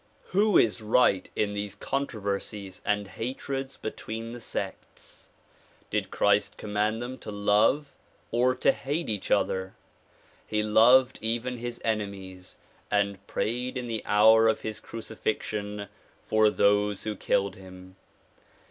Who is right in these controversies and hatreds between the sects ? Did Chi ist command them to love or to hate each other ? Pie loved even his enemies and prayed in the hour of his crucifixion for those who killed him.